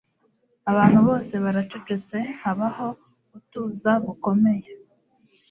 Abantu bose baracecetse haba ho utuza gukomeye